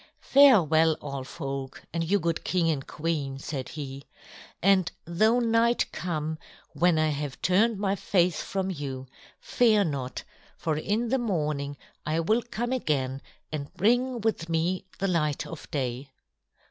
"Farewell, all folk, and you good king and queen," said he. "And though night come when I have turned my face from you, fear not. For in the morning I will come again and bring with me the light of day."